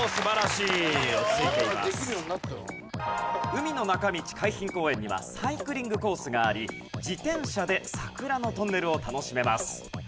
海の中道海浜公園にはサイクリングコースがあり自転車で桜のトンネルを楽しめます。